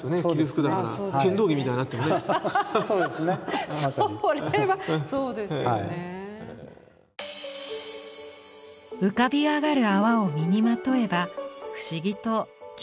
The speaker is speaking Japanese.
浮かび上がる泡を身にまとえば不思議と気分も上向きに。